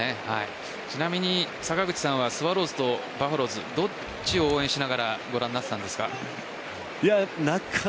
ちなみに坂口さんはスワローズとバファローズどっちを応援しながらご覧になっていましたか？